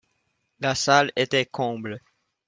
La salle était comble.